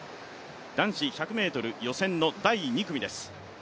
男子１００ｍ予選の第２組です。